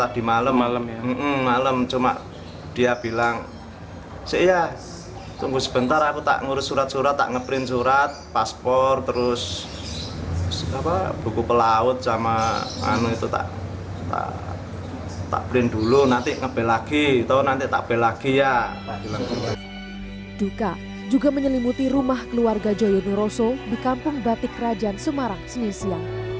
duka juga menyelimuti rumah keluarga joyo nuroso di kampung batik rajaan semarang senisia